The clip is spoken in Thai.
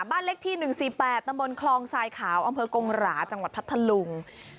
บ้านเล็กที่๑๔๘ตำบลคลองทรายขาวอำเภอกงหราจังหวัดพัทธลุง